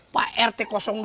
pak rt dua